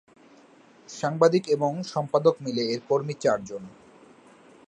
সাংবাদিক এবং সম্পাদক মিলে এর কর্মী চারজন।